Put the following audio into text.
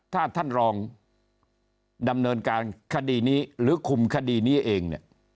ถ้าท่านรองดำเนินการคดีนี้หรือคุมคดีนี้เองเนี่ย